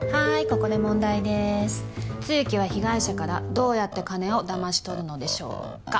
ここで問題でーす露木は被害者からどうやって金をだまし取るのでしょうか？